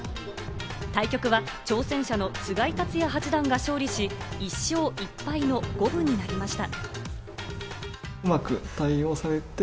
対局は挑戦者の菅井竜也八段が勝利し、１勝１敗の五分になりました。